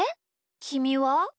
きみは？